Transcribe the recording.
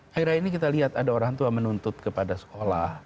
akhir akhir ini kita lihat ada orang tua menuntut kepada sekolah